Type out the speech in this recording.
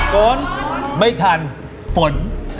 ฝนไม่ทันฝน